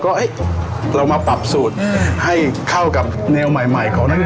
คือมันเป็นสูตรกวางตุ้งใช่ไหมที่พันธุ์